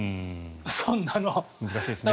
そんなの。